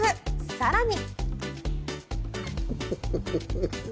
更に。